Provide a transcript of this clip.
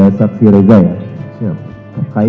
mungkin ada dari